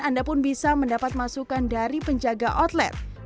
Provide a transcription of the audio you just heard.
anda pun bisa mendapat masukan dari penjaga outlet